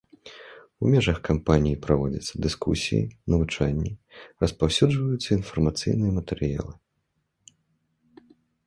У межах кампаніі праводзяцца дыскусіі, навучанні, распаўсюджваюцца інфармацыйныя матэрыялы.